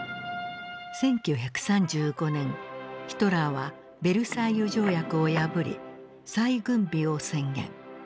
１９３５年ヒトラーはベルサイユ条約を破り再軍備を宣言。